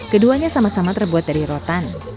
keduanya sama sama terbuat dari rotan